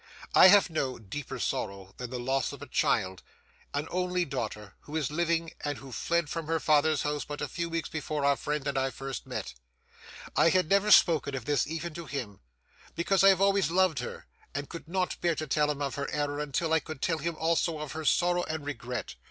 I have no deeper sorrow than the loss of a child,—an only daughter, who is living, and who fled from her father's house but a few weeks before our friend and I first met. I had never spoken of this even to him, because I have always loved her, and I could not bear to tell him of her error until I could tell him also of her sorrow and regret.